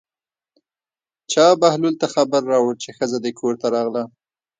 چا بهلول ته خبر راوړ چې ښځه دې کور ته راغله.